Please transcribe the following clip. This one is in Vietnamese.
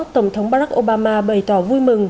tổng thống barack obama bày tỏ vui mừng